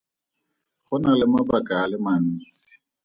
Go na le mabaka a le mantsi.